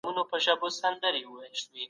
د نرمغالي دپاره تاسي باید خپلي پوهني زیاتي کړئ.